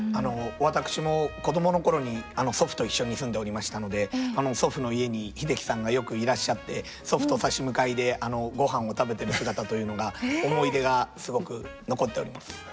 私も子供の頃に祖父と一緒に住んでおりましたので祖父の家に英樹さんがよくいらっしゃって祖父と差し向かいでごはんを食べてる姿というのが思い出がすごく残っております。